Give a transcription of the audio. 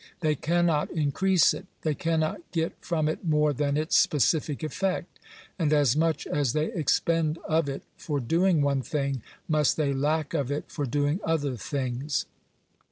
They can* not increase it; they cannot get from it more than its specific effect ; and as much as they expend of it for doing one thing, must they lack of it for doing other things.